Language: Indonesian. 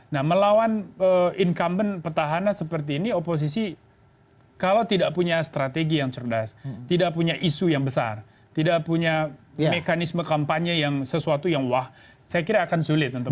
nah melawan incumbent petahana seperti ini oposisi kalau tidak punya strategi yang cerdas tidak punya isu yang besar tidak punya mekanisme kampanye yang sesuatu yang wah saya kira akan sulit untuk